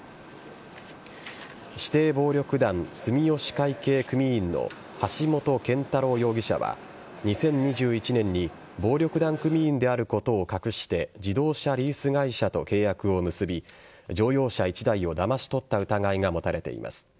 指定暴力団・住吉会系組員の橋本健太郎容疑者は２０２１年に暴力団組員であることを隠して自動車リース会社と契約を結び乗用車１台をだまし取った疑いが持たれています。